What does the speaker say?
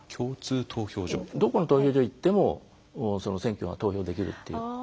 どこの投票所行っても選挙が投票できるという。